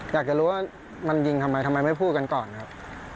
อยากจะรู้ว่ามันยิงทำไมทำไมไม่พูดกันก่อนครับ